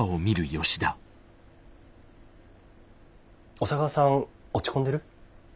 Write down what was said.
小佐川さん落ち込んでる？